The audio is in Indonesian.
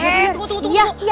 tunggu tunggu tunggu